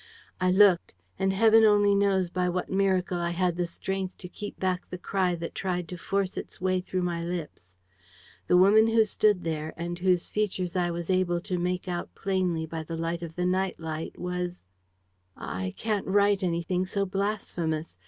"I looked; and Heaven only knows by what miracle I had the strength to keep back the cry that tried to force its way through my lips! The woman who stood there and whose features I was able to make out plainly by the light of the night light was. ... "Ah, I can't write anything so blasphemous!